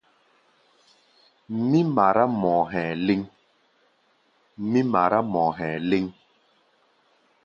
Mí mará mɔ hɛ̧ɛ̧ léŋ.